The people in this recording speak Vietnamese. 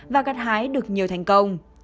và cắt hái được nhiều thành công